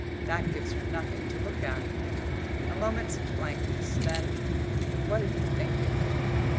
That gives her nothing to look at. A moment's blankness then, what are you thinking?